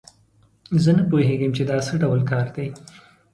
زه نه پوهیږم چې دا څه ډول کار ده